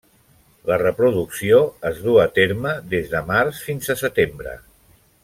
La reproducció es du a terme des de març fins a setembre.